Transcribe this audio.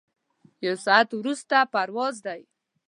یو ساعت وروسته پرواز دی.